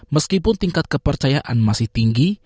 meskipun tingkat kepercayaan masih tinggi